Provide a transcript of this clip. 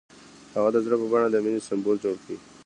هغه د زړه په بڼه د مینې سمبول جوړ کړ.